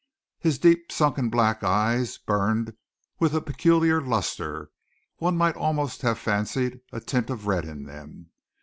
His deep sunken black eyes burned with a peculiar lustre, one might almost have fancied a tint of red in them.